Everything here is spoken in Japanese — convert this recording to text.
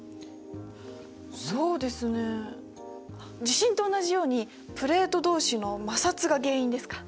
地震と同じようにプレート同士の摩擦が原因ですか？